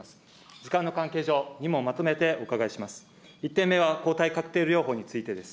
時間の関係上、２問まとめてお伺いします。